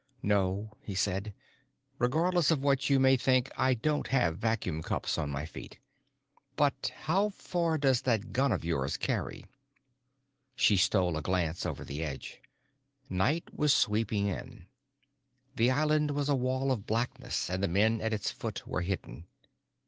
"No," he said. "Regardless of what you may think I don't have vacuum cups on my feet. But how far does that gun of yours carry?" She stole a glance over the edge. Night was sweeping in. The island was a wall of blackness and the men at its foot were hidden.